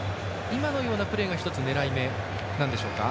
今のようなプレーが１つ、狙い目なんでしょうか。